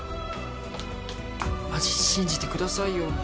マジ信じてくださいよ。